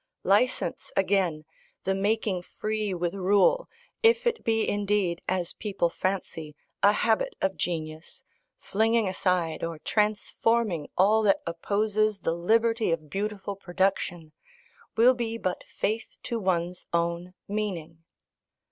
License again, the making free with rule, if it be indeed, as people fancy, a habit of genius, flinging aside or transforming all that opposes the liberty of beautiful production, will be but faith to one's own meaning.